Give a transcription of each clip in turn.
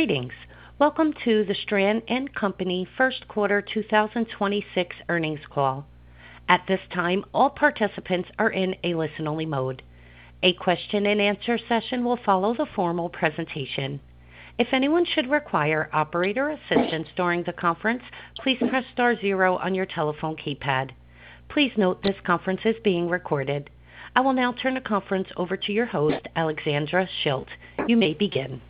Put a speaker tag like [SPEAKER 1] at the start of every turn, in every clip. [SPEAKER 1] Greetings. Welcome to the Stran & Company first quarter 2026 earnings call. At this time, all participants are in a listen-only mode. A question and answer session will follow the formal presentation. If anyone should require operator assistance during the conference, please press star zero on your telephone keypad. Please note this conference is being recorded. I will now turn the conference over to your host, Alexandra Schilt. You may begin.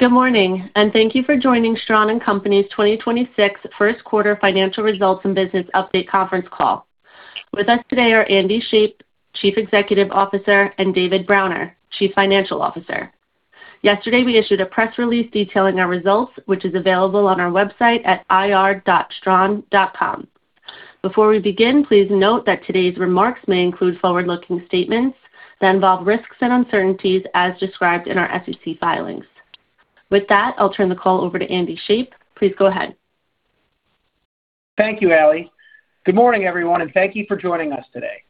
[SPEAKER 2] Good morning, and thank you for joining Stran & Company's 2026 first quarter financial results and business update conference call. With us today are Andy Shape, Chief Executive Officer, and David Browner, Chief Financial Officer. Yesterday, we issued a press release detailing our results, which is available on our website at ir.stran.com. Before we begin, please note that today's remarks may include forward-looking statements that involve risks and uncertainties as described in our SEC filings. With that, I'll turn the call over to Andy Shape. Please go ahead.
[SPEAKER 3] Thank you, Ally. Good morning, everyone. Thank you for joining us today.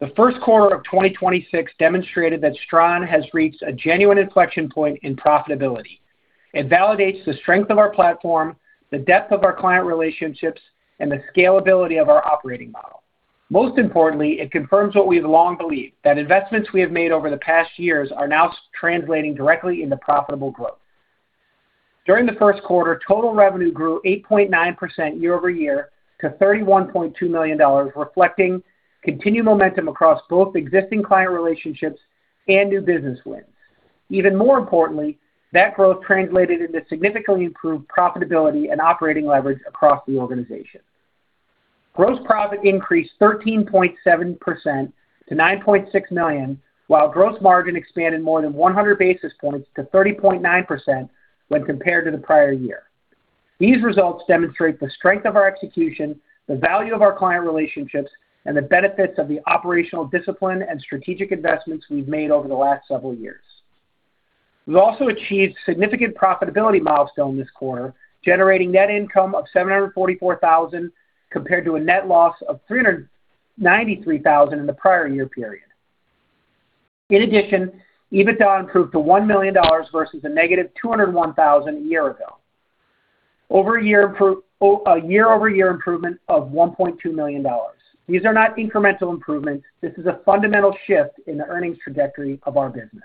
[SPEAKER 3] The first quarter of 2026 demonstrated that Stran has reached a genuine inflection point in profitability. It validates the strength of our platform, the depth of our client relationships, and the scalability of our operating model. Most importantly, it confirms what we've long believed, that investments we have made over the past years are now translating directly into profitable growth. During the first quarter, total revenue grew 8.9% year-over-year to $31.2 million, reflecting continued momentum across both existing client relationships and new business wins. Even more importantly, that growth translated into significantly improved profitability and operating leverage across the organization. Gross profit increased 13.7% to $9.6 million, while gross margin expanded more than 100 basis points to 30.9% when compared to the prior year. These results demonstrate the strength of our execution, the value of our client relationships, and the benefits of the operational discipline and strategic investments we've made over the last several years. We've also achieved significant profitability milestone this quarter, generating net income of $744,000 compared to a net loss of $393,000 in the prior year period. In addition, EBITDA improved to $1 million versus a negative $201,000 a year ago. A year-over-year improvement of $1.2 million. These are not incremental improvements. This is a fundamental shift in the earnings trajectory of our business.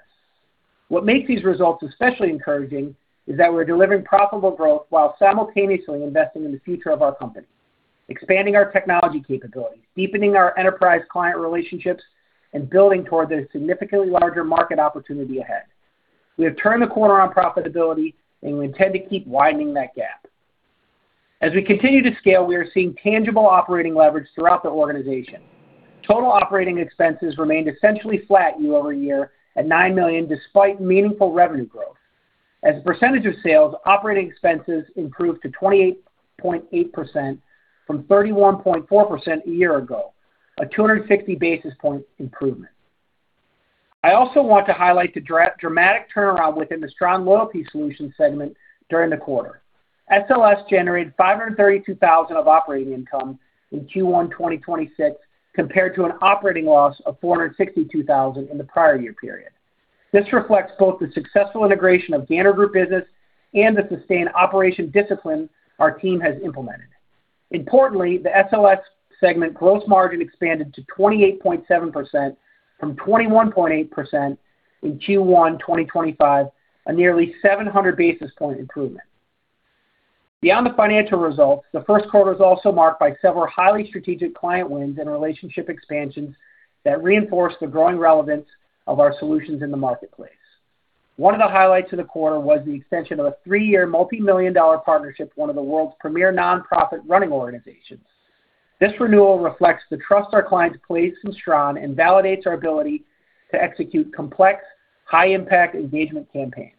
[SPEAKER 3] What makes these results especially encouraging is that we're delivering profitable growth while simultaneously investing in the future of our company, expanding our technology capabilities, deepening our enterprise client relationships, and building toward the significantly larger market opportunity ahead. We have turned the corner on profitability, and we intend to keep widening that gap. As we continue to scale, we are seeing tangible operating leverage throughout the organization. Total operating expenses remained essentially flat year-over-year at $9 million despite meaningful revenue growth. As a percentage of sales, operating expenses improved to 28.8% from 31.4% a year ago, a 260 basis point improvement. I also want to highlight the dramatic turnaround within the Stran Loyalty Solutions Segment during the quarter. SLS generated $532,000 of operating income in Q1 2026 compared to an operating loss of $462,000 in the prior year period. This reflects both the successful integration of Gander Group business and the sustained operation discipline our team has implemented. Importantly, the SLS segment gross margin expanded to 28.7% from 21.8% in Q1 2025, a nearly 700 basis point improvement. Beyond the financial results, the first quarter is also marked by several highly strategic client wins and relationship expansions that reinforce the growing relevance of our solutions in the marketplace. One of the highlights of the quarter was the extension of a three-year multimillion-dollar partnership with one of the world's premier nonprofit running organizations. This renewal reflects the trust our clients place in Stran and validates our ability to execute complex, high-impact engagement campaigns.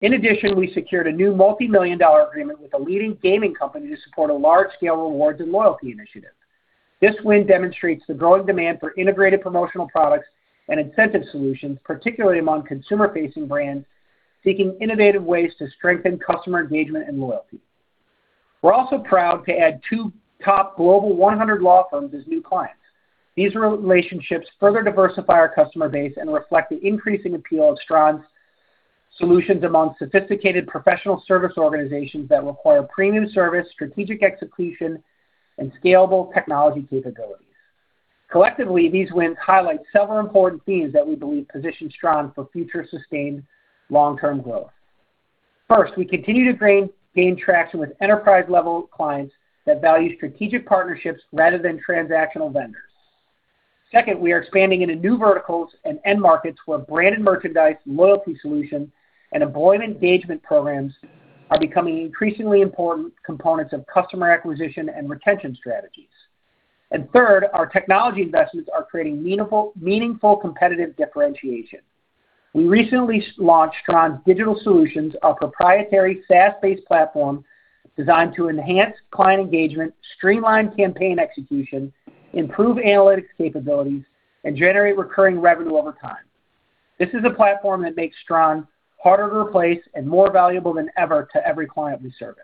[SPEAKER 3] In addition, we secured a new multimillion-dollar agreement with a leading gaming company to support a large-scale rewards and loyalty initiative. This win demonstrates the growing demand for integrated promotional products and incentive solutions, particularly among consumer-facing brands seeking innovative ways to strengthen customer engagement and loyalty. We're also proud to add 2 top global 100 law firms as new clients. These re-relationships further diversify our customer base and reflect the increasing appeal of Stran's solutions among sophisticated professional service organizations that require premium service, strategic execution, and scalable technology capabilities. Collectively, these wins highlight several important themes that we believe position Stran for future sustained long-term growth. First, we continue to gain traction with enterprise-level clients that value strategic partnerships rather than transactional vendors. Second, we are expanding into new verticals and end markets where branded merchandise, loyalty solutions, and employee engagement programs are becoming increasingly important components of customer acquisition and retention strategies. Third, our technology investments are creating meaningful competitive differentiation. We recently launched Stran Digital Solutions, our proprietary SaaS-based platform designed to enhance client engagement, streamline campaign execution, improve analytics capabilities, and generate recurring revenue over time. This is a platform that makes Stran harder to replace and more valuable than ever to every client we service.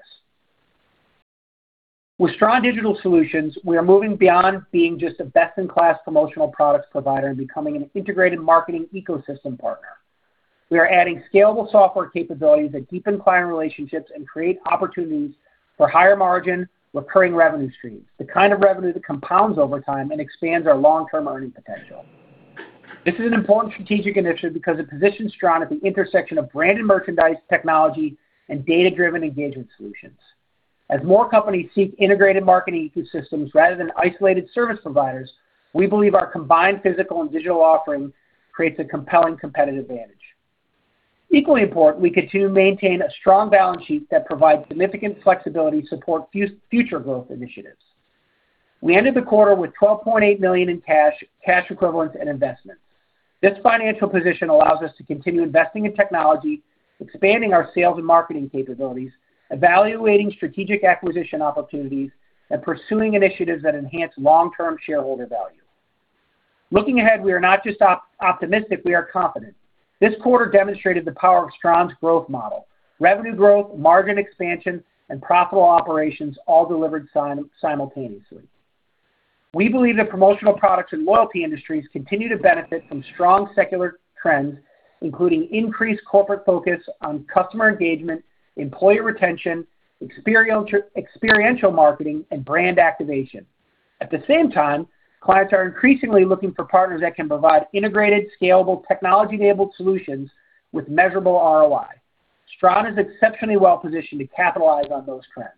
[SPEAKER 3] With Stran Digital Solutions, we are moving beyond being just a best-in-class promotional products provider and becoming an integrated marketing ecosystem partner. We are adding scalable software capabilities that deepen client relationships and create opportunities for higher margin recurring revenue streams, the kind of revenue that compounds over time and expands our long-term earning potential. This is an important strategic initiative because it positions Stran at the intersection of branded merchandise, technology, and data-driven engagement solutions. As more companies seek integrated marketing ecosystems rather than isolated service providers, we believe our combined physical and digital offering creates a compelling competitive advantage. Equally important, we continue to maintain a strong balance sheet that provides significant flexibility to support future growth initiatives. We ended the quarter with $12.8 million in cash equivalents, and investments. This financial position allows us to continue investing in technology, expanding our sales and marketing capabilities, evaluating strategic acquisition opportunities, and pursuing initiatives that enhance long-term shareholder value. Looking ahead, we are not just optimistic, we are confident. This quarter demonstrated the power of Stran's growth model, revenue growth, margin expansion, and profitable operations all delivered simultaneously. We believe the promotional products and loyalty industries continue to benefit from strong secular trends, including increased corporate focus on customer engagement, employee retention, experiential marketing, and brand activation. At the same time, clients are increasingly looking for partners that can provide integrated, scalable, technology-enabled solutions with measurable ROI. Stran is exceptionally well-positioned to capitalize on those trends.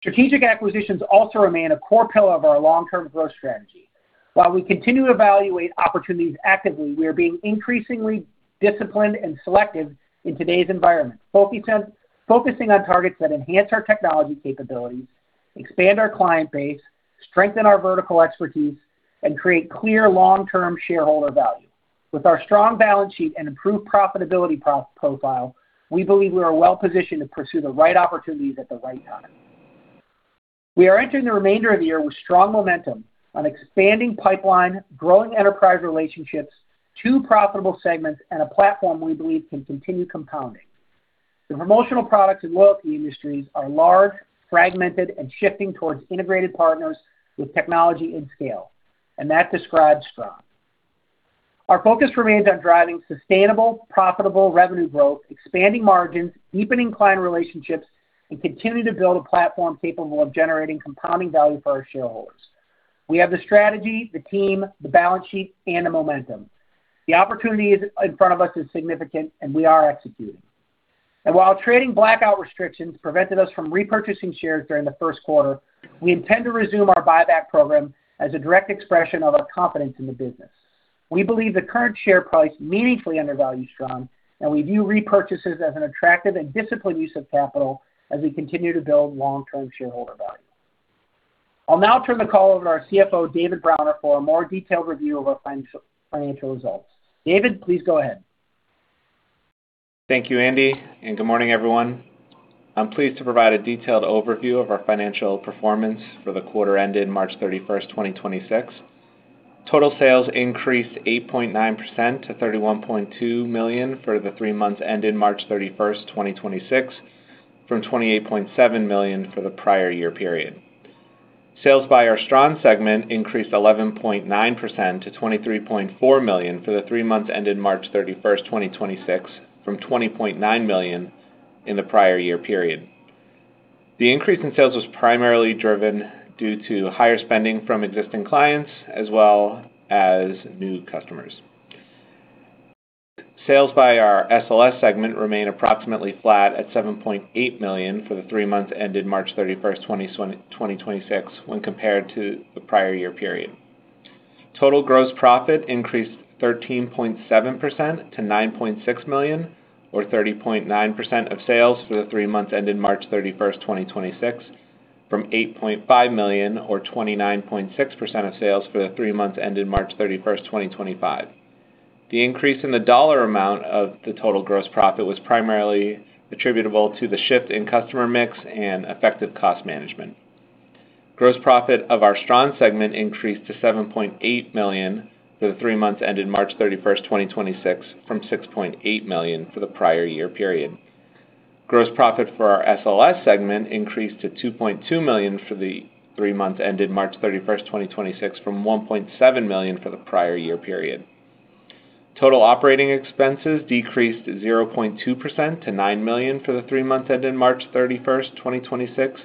[SPEAKER 3] Strategic acquisitions also remain a core pillar of our long-term growth strategy. While we continue to evaluate opportunities actively, we are being increasingly disciplined and selective in today's environment, focusing on targets that enhance our technology capabilities, expand our client base, strengthen our vertical expertise, and create clear long-term shareholder value. With our strong balance sheet and improved profitability profile, we believe we are well positioned to pursue the right opportunities at the right time. We are entering the remainder of the year with strong momentum, an expanding pipeline, growing enterprise relationships, two profitable segments, and a platform we believe can continue compounding. The promotional products and loyalty industries are large, fragmented, and shifting towards integrated partners with technology and scale, that describes Stran. Our focus remains on driving sustainable, profitable revenue growth, expanding margins, deepening client relationships, and continuing to build a platform capable of generating compounding value for our shareholders. We have the strategy, the team, the balance sheet, and the momentum. The opportunity in front of us is significant, we are executing. While trading blackout restrictions prevented us from repurchasing shares during the first quarter, we intend to resume our buyback program as a direct expression of our confidence in the business. We believe the current share price meaningfully undervalues Stran. We view repurchases as an attractive and disciplined use of capital as we continue to build long-term shareholder value. I'll now turn the call over to our CFO, David Browner, for a more detailed review of our financial results. David, please go ahead.
[SPEAKER 4] Thank you, Andy, and good morning, everyone. I'm pleased to provide a detailed overview of our financial performance for the quarter ended March 31, 2026. Total sales increased 8.9% to $31.2 million for the three months ended March 31, 2026, from $28.7 million for the prior year period. Sales by our Stran segment increased 11.9% to $23.4 million for the three months ended March 31, 2026, from $20.9 million in the prior year period. The increase in sales was primarily driven due to higher spending from existing clients as well as new customers. Sales by our SLS segment remained approximately flat at $7.8 million for the three months ended March 31, 2026 when compared to the prior year period. Total gross profit increased 13.7% to $9.6 million or 30.9% of sales for the three months ended March 31, 2026, from $8.5 million or 29.6% of sales for the three months ended March 31, 2025. The increase in the dollar amount of the total gross profit was primarily attributable to the shift in customer mix and effective cost management. Gross profit of our Stran segment increased to $7.8 million for the three months ended March 31, 2026, from $6.8 million for the prior year period. Gross profit for our SLS segment increased to $2.2 million for the three months ended March 31, 2026, from $1.7 million for the prior year period. Total operating expenses decreased 0.2% to $9 million for the three months ended March 31, 2026.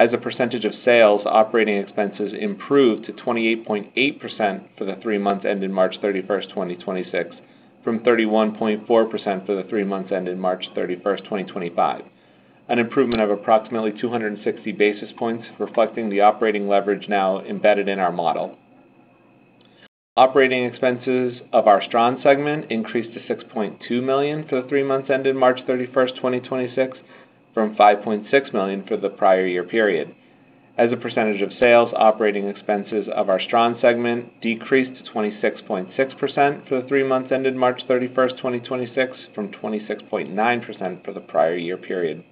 [SPEAKER 4] As a percentage of sales, operating expenses improved to 28.8% for the three months ended March 31, 2026, from 31.4% for the three months ended March 31, 2025. An improvement of approximately 260 basis points reflecting the operating leverage now embedded in our model. Operating expenses of our Stran segment increased to $6.2 million for the three months ended March 31, 2026, from $5.6 million for the prior year period. As a percentage of sales, operating expenses of our Stran segment decreased to 26.6% for the 3 months ended March 31, 2026, from 26.9% for the prior year period.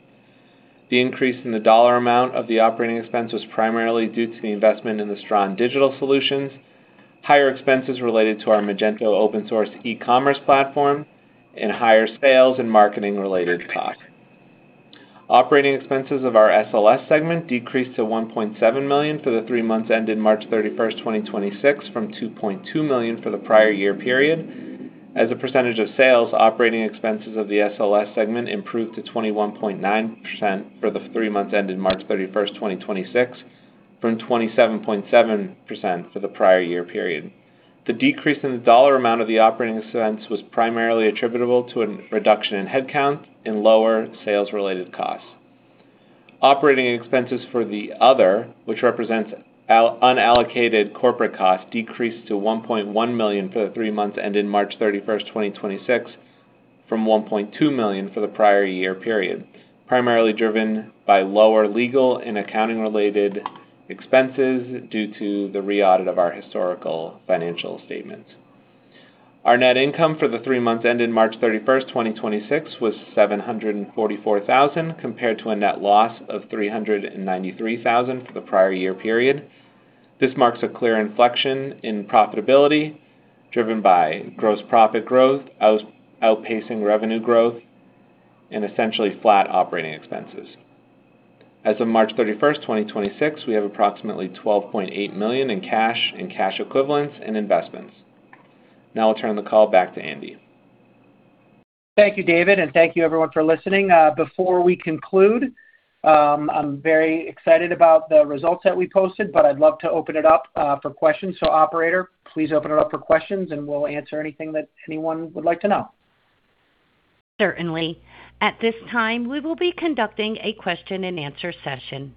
[SPEAKER 4] The increase in the dollar amount of the operating expense was primarily due to the investment in the Stran Digital Solutions, higher expenses related to our Magento open-source e-commerce platform, and higher sales and marketing related costs. Operating expenses of our SLS segment decreased to $1.7 million for the three months ended March 31st, 2026 from $2.2 million for the prior year period. As a percentage of sales, operating expenses of the SLS segment improved to 21.9% for the three months ended March 31st, 2026 from 27.7% for the prior year period. The decrease in the dollar amount of the operating expense was primarily attributable to a reduction in headcount and lower sales-related costs. Operating expenses for the other, which represents unallocated corporate costs, decreased to $1.1 million for the three months ended March 31, 2026 from $1.2 million for the prior year period, primarily driven by lower legal and accounting-related expenses due to the re-audit of our historical financial statements. Our net income for the three months ended March 31, 2026 was $744,000 compared to a net loss of $393,000 for the prior year period. This marks a clear inflection in profitability driven by gross profit growth outpacing revenue growth and essentially flat operating expenses. As of March 31, 2026, we have approximately $12.8 million in cash and cash equivalents and investments. Now I'll turn the call back to Andy.
[SPEAKER 3] Thank you, David, and thank you everyone for listening. Before we conclude, I'm very excited about the results that we posted, but I'd love to open it up for questions. Operator, please open it up for questions, and we'll answer anything that anyone would like to know.
[SPEAKER 1] Certainly. At this time, we will be conducting a question and answer session.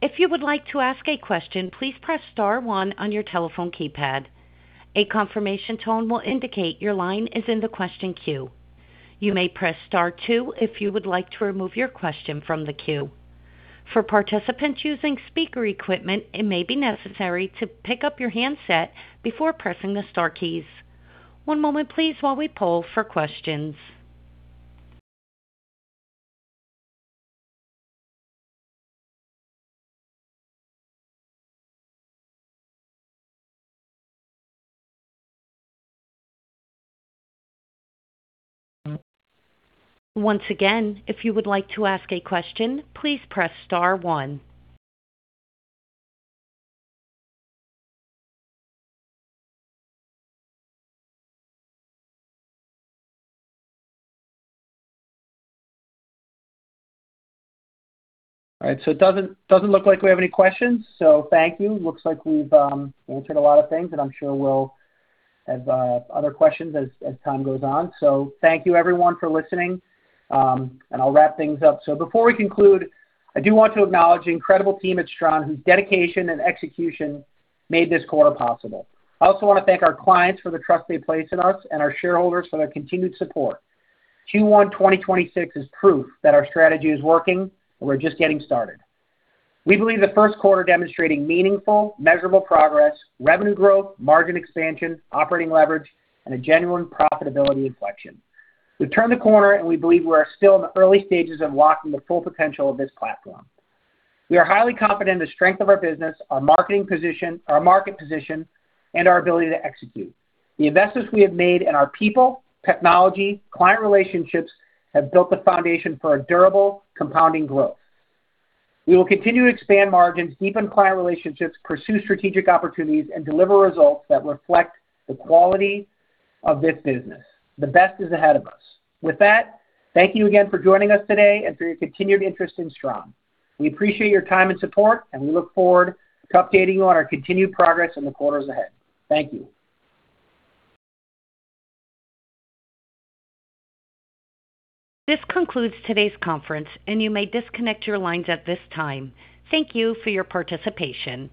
[SPEAKER 1] If you would like to ask a question, please press star one on your telephone keypad. A confirmation tone will indicate your line is in the question queue. You may press star two if you would like to remove your question from the queue. For participants using speaker equipment, it may be necessary to pick up your handset before pressing the star keys. One moment please while we poll for questions. Once again, if you would like to ask a question, please press star one.
[SPEAKER 3] All right. It doesn't look like we have any questions, thank you. Looks like we've answered a lot of things, and I'm sure we'll have other questions as time goes on. Thank you everyone for listening, and I'll wrap things up. Before we conclude, I do want to acknowledge the incredible team at Stran whose dedication and execution made this quarter possible. I also want to thank our clients for the trust they place in us and our shareholders for their continued support. Q1 2026 is proof that our strategy is working, and we're just getting started. We believe the first quarter demonstrating meaningful, measurable progress, revenue growth, margin expansion, operating leverage, and a genuine profitability inflection. We've turned the corner, and we believe we're still in the early stages of locking the full potential of this platform. We are highly confident in the strength of our business, our market position, and our ability to execute. The investments we have made in our people, technology, client relationships have built the foundation for a durable compounding growth. We will continue to expand margins, deepen client relationships, pursue strategic opportunities, and deliver results that reflect the quality of this business. The best is ahead of us. With that, thank you again for joining us today and for your continued interest in Stran. We appreciate your time and support, and we look forward to updating you on our continued progress in the quarters ahead. Thank you.
[SPEAKER 1] This concludes today's conference, and you may disconnect your lines at this time. Thank you for your participation.